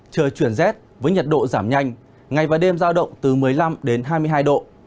trời chuyển rét với nhiệt độ giảm nhanh ngày và đêm giao động từ một mươi năm đến hai mươi hai độ